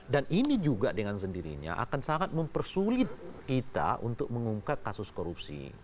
dan ini juga dengan sendirinya akan sangat mempersulit kita untuk mengungkat kasus korupsi